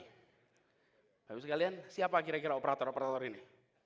habis sekalian siapa kira kira operator operator ini